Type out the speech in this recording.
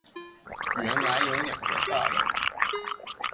原来有两个大楼